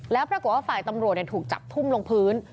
แล้วปรากฏว่าฝ่ายตำรวจถูกจับทุ่มลงพื้น